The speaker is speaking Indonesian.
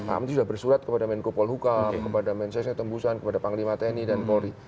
am itu sudah bersurat kepada menko polhukam kepada mensesnya tembusan kepada panglima tni dan polri